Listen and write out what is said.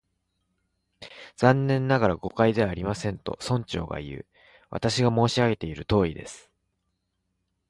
「残念ながら、誤解ではありません」と、村長がいう。「私が申し上げているとおりです」